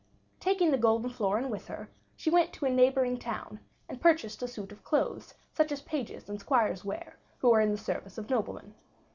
Taking the golden florin with her, she went to a neighboring town, and purchased a suit of clothes such as pages and squires wear who are in the service of noblemen.